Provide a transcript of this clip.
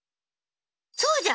そうじゃ！